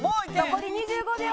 残り２５秒。